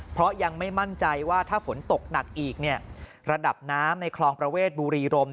เพราะยังไม่มั่นใจว่าถ้าฝนตกหนักอีกเนี่ยระดับน้ำในคลองประเวทบุรีรม